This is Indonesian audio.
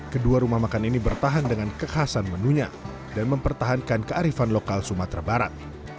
kedua rumah makan ini bertahan dengan kekhasan menunya dan mempertahankan kearifan lokal sumatera barat